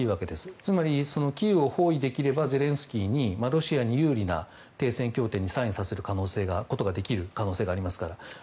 つまりキーウを包囲できればロシアに有利な停戦協定にサインさせることができる可能性がありますから。